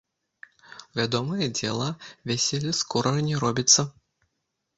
Вядомае дзела, вяселле скора не робіцца.